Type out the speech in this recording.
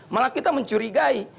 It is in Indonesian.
malah kita mencurigai